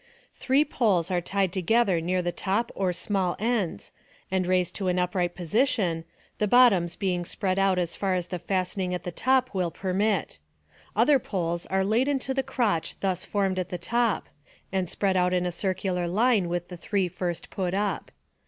Three poles are tied together near the top or small ends, and raised to an upright position, the bottoms being spread out as far as the fastening at the top will permit. Other poles are laid into the crotch thus formed at the top, and spread out in a circular line with the three first put up.